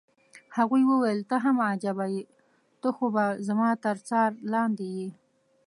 هغې وویل: ته هم عجبه يې، خو ته به زما تر څار لاندې یې.